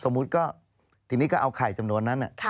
ก็ทีนี้ก็เอาไข่จำนวนนั้น